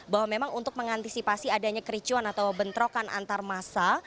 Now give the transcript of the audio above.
bahwa memang untuk mengantisipasi adanya kericuan atau bentrokan antar masa